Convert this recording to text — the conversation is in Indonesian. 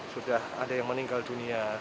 sudah ada yang meninggal dunia